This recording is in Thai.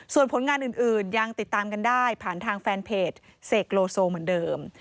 ส่วนผลงานอื่นยังติดตามกันได้ผ่านทางแฟนเพจเสกโลโซเหมือนเดิม